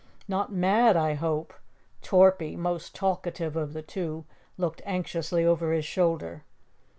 "Not mad, I hope?" Torpy, most talkative of the two, looked anxiously over his shoulder.